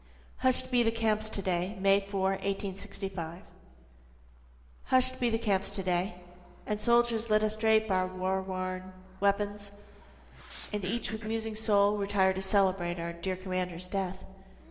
Hush'd Be the Camps To Day [May 4, 1865 Hush'd be the camps to day, And soldiers let us drape our war worn weapons, And each with musing soul retire to celebrate, Our dear commander's death.